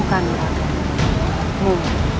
dan ilmu kanuramu